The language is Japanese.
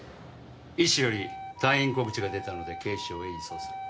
医師より退院告知が出たので警視庁へ移送する。